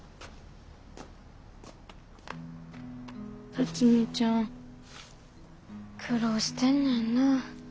辰美ちゃん苦労してんねんな。